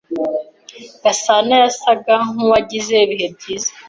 Gasana yasaga nkuwagize ibihe byiza.